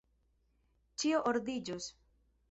Ĉio ordiĝos!